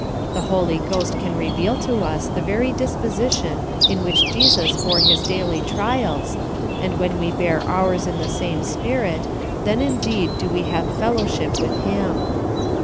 The Holy Ghost can reveal to us the very disposition in which Jesus bore His daily trials, and when we bear ours in the same spirit, then indeed do we have fellow ship with Him.